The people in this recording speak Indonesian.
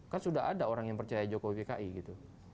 kan sudah ada orang yang percaya jokowi pki gitu